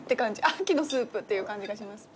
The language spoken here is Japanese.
秋のスープっていう感じがします。